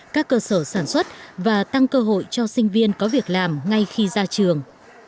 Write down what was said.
các cơ sở sản xuất và tăng cơ hội cho sinh viên có việc làm ngay khi ra trường